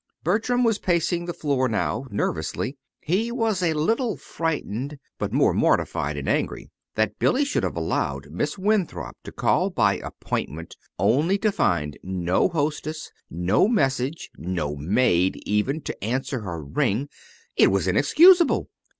Bertram was pacing the floor now, nervously. He was a little frightened, but more mortified and angry. That Billy should have allowed Miss Winthrop to call by appointment only to find no hostess, no message, no maid, even, to answer her ring it was inexcusable!